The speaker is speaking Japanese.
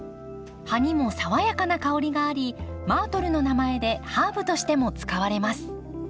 葉にも爽やかな香りがありマートルの名前でハーブとしても使われます。